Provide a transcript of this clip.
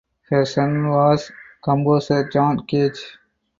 Her son was composer John Cage.